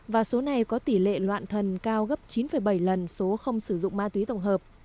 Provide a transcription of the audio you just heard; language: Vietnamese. và số này có tỷ lệ loạn thần cao gấp chín bảy lần số không sử dụng ma túy tổng hợp